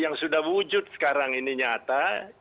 yang sudah wujud sekarang ini nyata